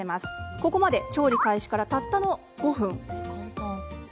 ここまで調理開始からたったの５分。